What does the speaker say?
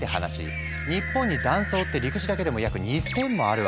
日本に断層って陸地だけでも約２０００もあるわけよ。